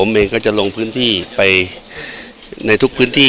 ผมเองก็จะลงพื้นที่ไปผมเองก็จะลงพื้นที่